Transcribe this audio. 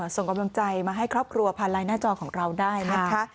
ส่งกำลังใจมาให้ครอบครัวผ่านไลน์หน้าจอของเราได้นะคะ